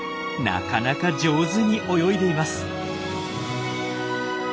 なかなか上手に泳いでいます。